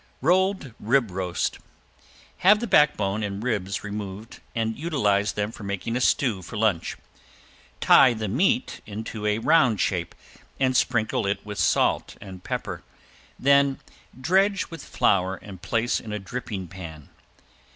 ~ROLLED RIB ROAST~ Have the backbone and ribs removed and utilize them for making a stew for lunch. Tie the meat into a round shape and sprinkle it with salt and pepper, then dredge with flour and place in a dripping pan.